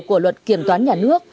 của luật kiểm toán nhà nước